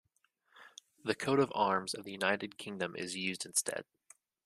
The coat of arms of the United Kingdom is used instead.